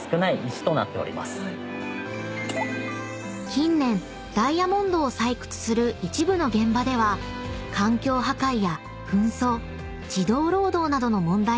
［近年ダイヤモンドを採掘する一部の現場では環境破壊や紛争児童労働などの問題が叫ばれることも］